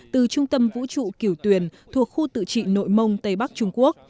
từ trung tâm vũ trụ kiểu tuyền thuộc khu tự trị nội mông tây bắc trung quốc